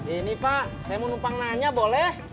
ini pak saya mau numpang nanya boleh